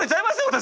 私。